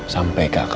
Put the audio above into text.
sampai ke akar akarnya